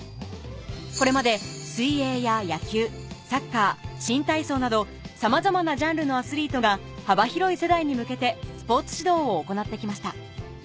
これまで水泳や野球サッカー新体操などさまざまなジャンルのアスリートが幅広い世代に向けてスポーツ指導を行ってきました